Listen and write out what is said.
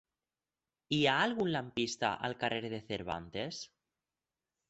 Hi ha algun lampista al carrer de Cervantes?